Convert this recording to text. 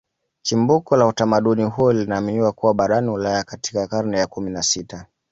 Chimbuko la utamaduni huo linaaminiwa kuwa barani Ulaya katika karne ya kumi na sita